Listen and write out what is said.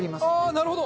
なるほど。